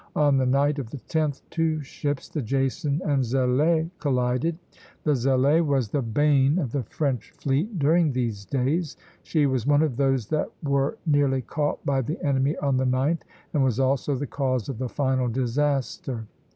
On the night of the 10th two ships, the "Jason" and "Zélé," collided. The "Zélé" was the bane of the French fleet during these days. She was one of those that were nearly caught by the enemy on the 9th, and was also the cause of the final disaster.